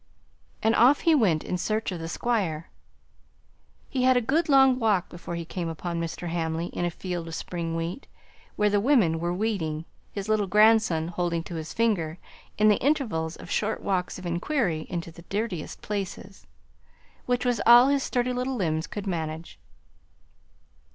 And off he went in search of the Squire. He had a good long walk before he came upon Mr. Hamley in a field of spring wheat, where the women were weeding, his little grandson holding to his finger in the intervals of short walks of inquiry into the dirtiest places, which was all his sturdy little limbs could manage.